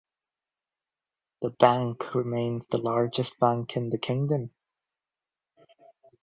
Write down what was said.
The bank remains the largest bank in the kingdom.